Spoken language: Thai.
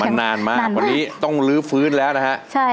มันนานมากวันนี้ต้องลื้อฟื้นแล้วนะฮะ